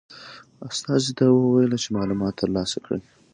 استازي ته وویل چې معلومات ترلاسه کړي.